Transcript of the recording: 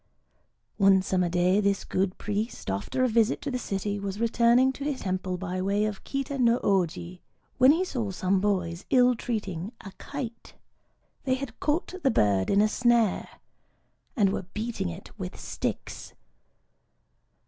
One summer day this good priest, after a visit to the city, was returning to his temple by way of Kita no Ōji, when he saw some boys ill treating a kite. They had caught the bird in a snare, and were beating it with sticks.